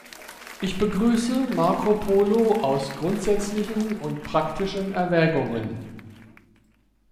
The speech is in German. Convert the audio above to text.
Ich begrüße Marco Polo aus grundsätzlichen und praktischen Erwägungen.